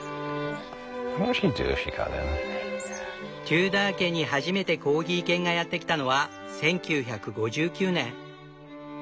テューダー家に初めてコーギー犬がやってきたのは１９５９年。